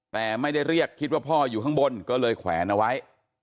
แต่ไม่ได้เรียกคิดว่าพ่ออยู่ข้างบนก็เลยแขวนเอาไว้